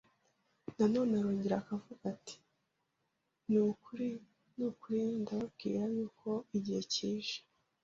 Na none arongera akavuga ati: “Ni ukuri ni ukuri ndababwira y’uko igihe kije,